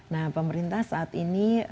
nah pemerintah saat ini